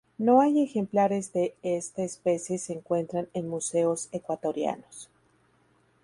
No hay ejemplares de esta especie se encuentran en museos ecuatorianos.